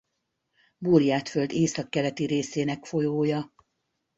Burjátföld északkeleti részének folyója.